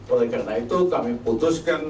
oleh karena itu kami putuskan